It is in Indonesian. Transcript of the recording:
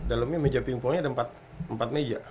dalemnya meja pingpongnya ada empat meja